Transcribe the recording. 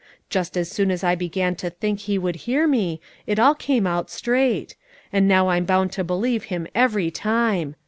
Just as soon as I began to think He would hear me, it all came out straight; and now I'm bound to believe Him every time.